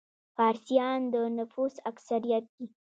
فارسیان د نفوس اکثریت دي.